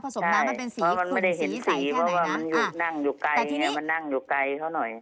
ใช่เพราะมันไม่ได้เห็นสีเพราะว่ามันนั่งอยู่ไกลเขาหน่อย